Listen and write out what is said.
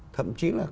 thậm chí là